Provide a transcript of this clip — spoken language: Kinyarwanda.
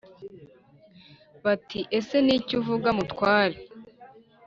Bati: "Ese ni iki uvuga Mutware?"